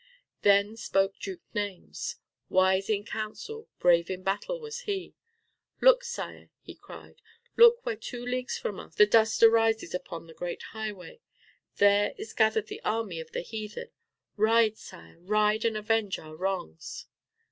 Then spoke Duke Naimes. Wise in counsel, brave in battle was he. "Look, Sire," he cried, "look where two leagues from us the dust arises upon the great highway. There is gathered the army of the heathen. Ride, Sire, ride and avenge our wrongs."